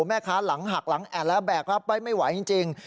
แม่ค้าหลังหักหลังแอดแล้วแบกรับไว้ไม่ไหวจริง